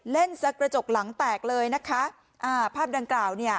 สักกระจกหลังแตกเลยนะคะอ่าภาพดังกล่าวเนี่ย